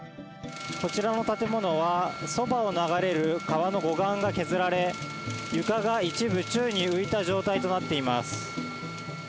こちらの建物は、そばを流れる川の護岸が削られ、床が一部宙に浮いた状態となっています。